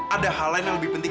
ada hal lain yang lebih penting